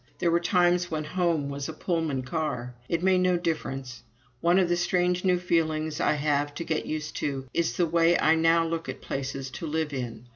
There were times when "home" was a Pullman car. It made no difference. One of the strange new feelings I have to get used to is the way I now look at places to live in.